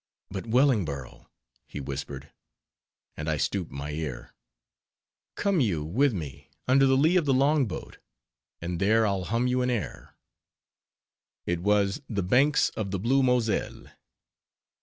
But, Wellingborough," he whispered,—and I stooped my ear,— "come you with me under the lee of the long boat, and there I'll hum you an air." It was _The Banks of the Blue Moselle.